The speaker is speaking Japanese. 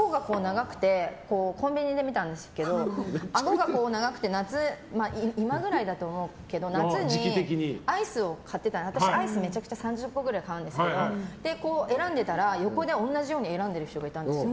コンビニで見たんですけどあごが長くて今ぐらいだと思うけど夏にアイスを買ってたら私、アイスをめちゃくちゃ買って３０個ぐらい買うんですけど選んでたら横で同じように選んでる人がいたんですよ。